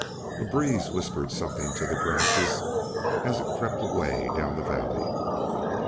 A breeze whispered something to the grasses as it crept away down the valley.